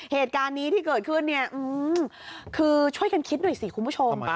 เหตุการณ์นี้ที่เกิดขึ้นเนี่ยคือช่วยกันคิดหน่อยสิคุณผู้ชม